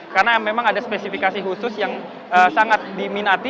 karena memang ada spesifikasi khusus yang sangat diminati